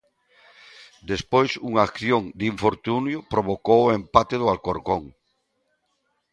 Despois unha acción de infortunio provocou o empate do Alcorcón.